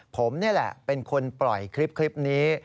ผมนี่แหละเป็นคนปล่อยคลิปนี้